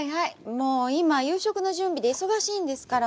もう今夕食の準備で忙しいんですから。